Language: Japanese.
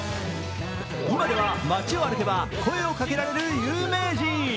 今では街を歩けば声をかけられる有名人。